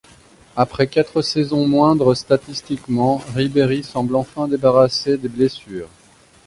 Après quatre saisons moindre statistiquement, Ribéry semble enfin débarrasser des blessures.